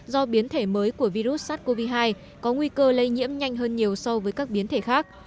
do biến thể mới của virus sars cov hai có nguy cơ lây nhiễm nhanh hơn nhiều so với các biến thể khác